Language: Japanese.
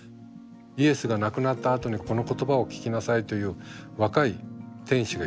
イエスが亡くなったあとに「この言葉を聞きなさい」という若い天使がいた。